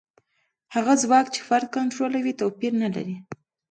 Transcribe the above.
هغه ځواک چې فرد کنټرولوي توپیر نه لري.